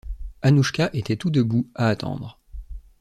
Annouchka était tout debout, à attendre.